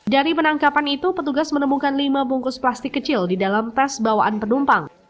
dari penangkapan itu petugas menemukan lima bungkus plastik kecil di dalam tas bawaan penumpang